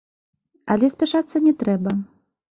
Але спяшацца не трэба.